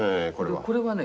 これはね